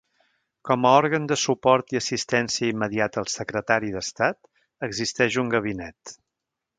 Com a òrgan de suport i assistència immediata al Secretari d'Estat, existeix un Gabinet.